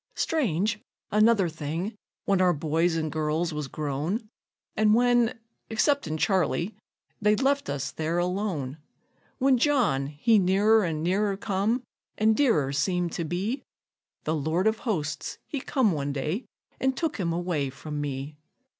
Strange, another thing: when our boys an' girls was grown, And when, exceptin' Charley, they'd left us there alone; When John he nearer an' nearer come, an' dearer seemed to be, The Lord of Hosts he come one day an' took him away from me.